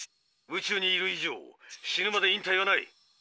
宇宙にいる以上死ぬまで引退はない。